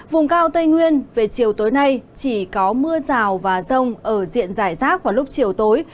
vùng cao tây nguyên về chiều tối nay chỉ có mưa rào và rông ở diện giải rác vào lúc chiều tối